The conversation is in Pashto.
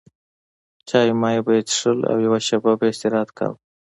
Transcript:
چای مای به یې څښل او یوه شېبه به یې استراحت کاوه.